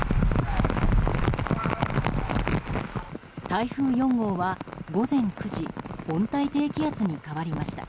台風４号は午前９時温帯低気圧に変わりました。